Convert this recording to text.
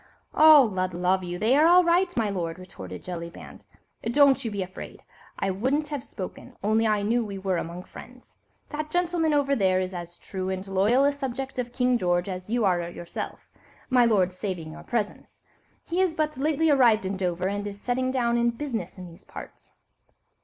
"Oh! Lud love you, they are all right, my lord," retorted Jellyband; "don't you be afraid. I wouldn't have spoken, only I knew we were among friends. That gentleman over there is as true and loyal a subject of King George as you are yourself, my lord, saving your presence. He is but lately arrived in Dover, and is settling down in business in these parts."